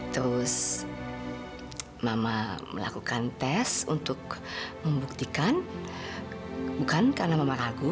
terus mama melakukan tes untuk membuktikan bukan karena mamaku